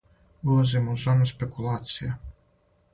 Улазимо у зону спекулација.